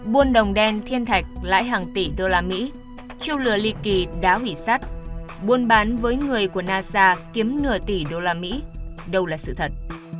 buôn đồng đen thiên thạch lãi hàng tỷ đô la mỹ chiêu lừa ly kỳ đã hủy sát buôn bán với người của nasa kiếm nửa tỷ đô la mỹ đâu là sự thật